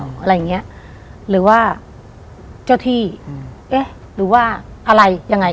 อะไรอย่างเงี้ยหรือว่าเจ้าที่อืมเอ๊ะหรือว่าอะไรยังไง